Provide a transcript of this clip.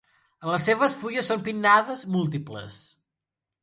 Les seves fulles són pinnades múltiples.